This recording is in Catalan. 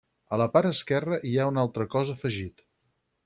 A la part esquerra hi ha un altre cos afegit.